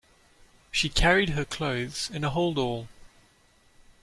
She carried her clothes in a holdall